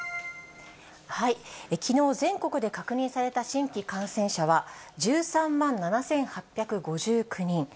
きのう、全国で確認された新規感染者は１３万７８５９人。